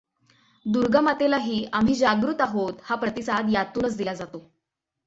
दुर्गामातेला ही आम्ही जागृत आहोत हा प्रतिसाद यातूनच दिला जातो.